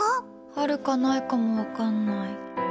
あるかないかも分かんない。